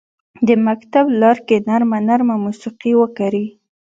د مکتب لارکې نرمه، نرمه موسیقي وکري